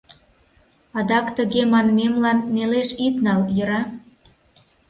Адак тыге манмемлан нелеш ит нал, йӧра?